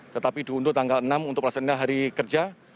tetapi diunduh tanggal enam untuk melaksanakan hari kerja